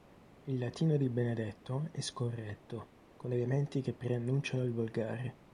Il latino di Benedetto è scorretto con elementi che preannunciano il volgare.